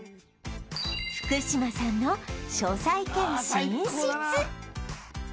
福島さんの書斎兼寝室